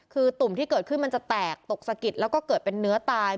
คือตุ่มที่เกิดขึ้นมันจะแตกตกสะกิดแล้วก็เกิดเป็นเนื้อตาย